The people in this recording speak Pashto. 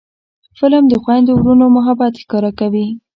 فلم د خویندو ورونو محبت ښکاره کوي